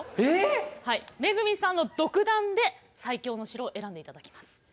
えっ⁉恵さんの独断で最強の城を選んでいただきます。